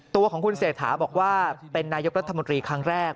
ตัวของคุณเศรษฐาบอกว่าเป็นนายกรัฐมนตรีครั้งแรก